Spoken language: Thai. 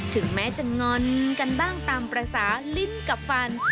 ถึงแม้จะงอนกันบ้างตามภาษาลิ้นกับฟัน